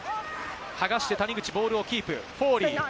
剥がして、谷口がボールをキープ、フォーリー。